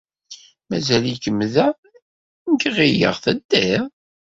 Mazal-ikem da? Nekk ɣileɣ teddiḍ.